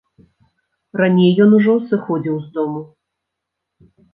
Раней ён ужо сыходзіў з дому.